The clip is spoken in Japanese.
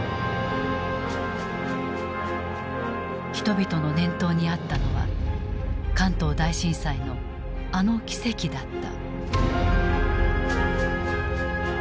人々の念頭にあったのは関東大震災のあの奇跡だった。